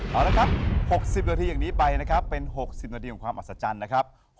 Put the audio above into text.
เอาละครับ๖๐นาทีอย่างนี้ไปนะครับเป็น๖๐นาทีของความอัศจรรย์นะครับ